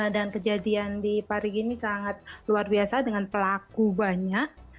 dan kejadian di parigi ini sangat luar biasa dengan pelaku banyak